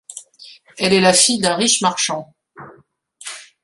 Elle est la fille d'un riche marchand.